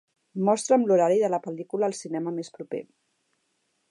Mostra'm l'horari de la pel·lícula al cinema més proper.